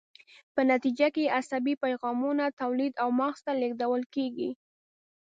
په نتیجه کې یې عصبي پیغامونه تولید او مغز ته لیږدول کیږي.